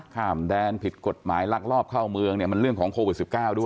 ข้ามแดนผิดกฎหมายลักลอบเข้าเมืองเนี่ยมันเรื่องของโควิด๑๙ด้วย